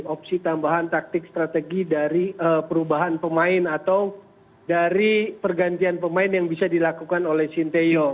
opsi tambahan taktik strategi dari perubahan pemain atau dari pergantian pemain yang bisa dilakukan oleh sinteyo